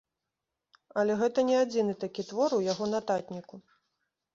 Але гэта не адзіны такі твор у яго нататніку.